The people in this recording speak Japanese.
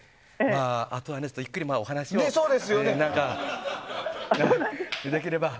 あとは、ゆっくりお話をできれば。